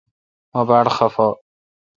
مہ باڑ خفہ۔